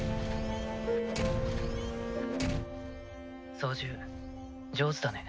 操縦上手だね。